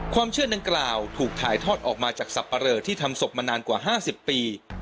เชื่อดังกล่าวถูกถ่ายทอดออกมาจากสับปะเลอที่ทำศพมานานกว่า๕๐ปี